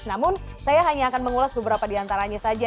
namun saya hanya akan mengulas beberapa di antaranya saja